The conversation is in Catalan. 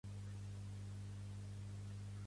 Pertany al moviment independentista la Joana?